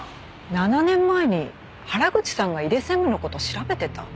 ７年前に原口さんが井出専務の事を調べてた？